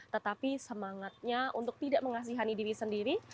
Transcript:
tetapi semangatnya untuk tidak mengasihani diri sendiri